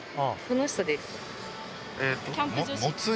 この人です。